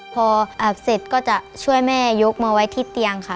พออาบเสร็จก็จะช่วยแม่ยกมาไว้ที่เตียงค่ะ